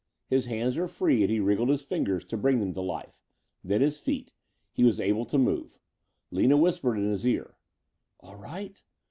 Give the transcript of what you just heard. His hands were free and he wriggled his fingers to bring them to life. Then his feet. He was able to move. Lina whispered in his ear. "All right?"